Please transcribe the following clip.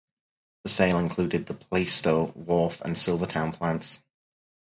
The sale included the Plaistow Wharf and Silvertown plants.